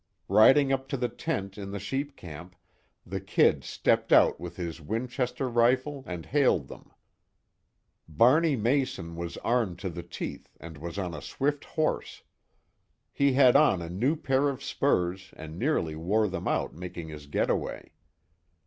Riding up to the tent in the sheep camp, the "Kid" stepped out with his Winchester rifle, and hailed them. Barney Mason was armed to the teeth, and was on a swift horse. He had on a new pair of spurs and nearly wore them out making his get away.